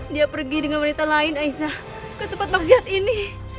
dia pergi dengan wanita lain aisyah ke tempat tausiat ini